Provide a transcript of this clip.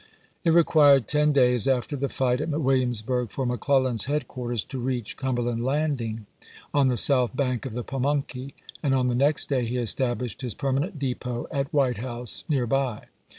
It required ten days after the fight at Williams burg for McClellan's headquarters to reach Cumber land Landing, on the south bank of the Pamunkey, and on the next day he established his permanent depot at White House, near by.